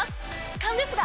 勘ですが！